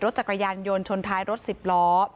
จักรยานยนต์ชนท้ายรถสิบล้อ